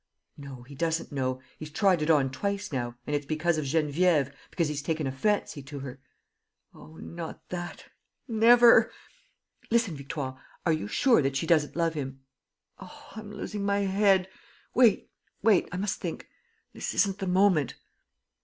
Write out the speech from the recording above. No, he does not know. ... He's tried it on twice now ... and it's because of Geneviève, because he's taken a fancy to her. ... Oh, not that! Never! Listen, Victoire, are you sure that she doesn't love him? ... Oh, I'm losing my head! ... Wait ... wait! ... I must think ... this isn't the moment.